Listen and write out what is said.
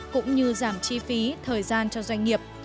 cũng như giảm chi phí thời gian cho doanh nghiệp